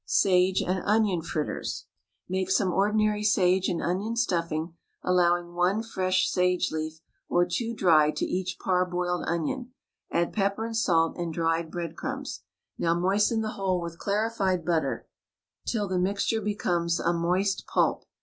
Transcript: SAGE AND ONION FRITTERS. Make some ordinary sage and onion stuffing, allowing one fresh sage leaf or two dried to each parboiled onion; add pepper and salt and dried breadcrumbs. Now moisten the whole with clarified butter, till the mixture becomes a moist pulp.